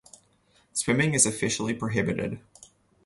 Swimming is officially prohibited.